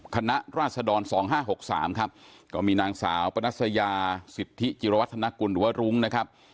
คณะราชดร๒๕๖๓ครับก็มีนางสาวปนัสยาสิทธิจิรวัฒนกุลหรือว่ารุ้งนะครับ